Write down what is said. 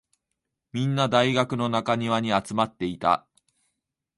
みんな、大学の中庭に集まっていた。